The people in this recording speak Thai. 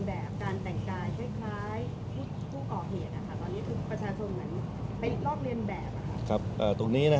ผู้ก่อเหตุนะครับตอนนี้ทุกประชาชนมันไปลอกเรียนแบบ